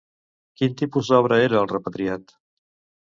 Quin tipus d'obra era "El repatriat"?